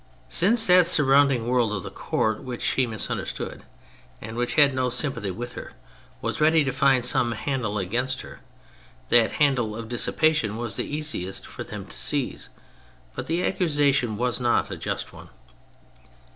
Since that surrounding world of the Com't which she misunderstood and which had no sympathy with her was ready to find some handle against her, that handle of dissipation was the easiest for them to seize ; but the accusation was not a just one.